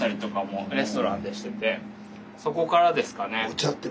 そこからですかね。